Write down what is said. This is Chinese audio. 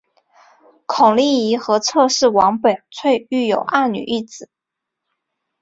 孔令贻和侧室王宝翠育有二女一子。